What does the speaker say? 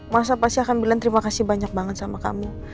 masa pasti akan bilang terima kasih banyak banget sama kamu